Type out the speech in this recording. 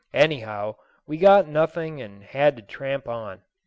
Anyhow, we got nothing and had to tramp on.